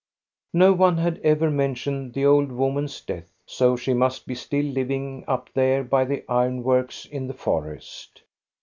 No one had ever mentioned the old woman's death, so she must be still living up there by the iron works in the forest.